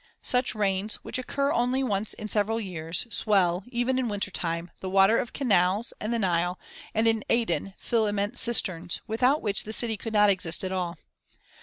Such rains, which occur only once in several years, swell, even in winter time, the water of the canals and the Nile, and in Aden fill immense cisterns, without which the city could not exist at all.